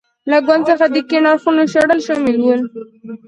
له ګوند څخه د کیڼ اړخو شړل شامل و.